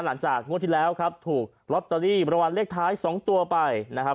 หลังจากงวดที่แล้วครับถูกลอตเตอรี่ประวัลเลขท้ายสองตัวไปนะครับ